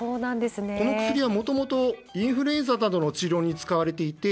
この薬は、もともとインフルエンザなどの治療に使われていて